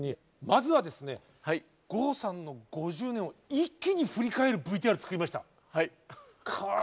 まずはですね郷さんの５０年を一気に振り返るＶＴＲ作りました。